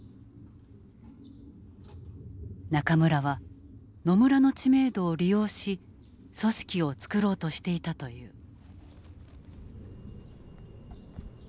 中村は野村の知名度を利用し組織を作ろうとしていたという。